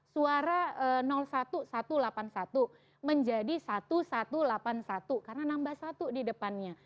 suara satu satu ratus delapan puluh satu menjadi satu satu ratus delapan puluh satu karena nambah satu di depannya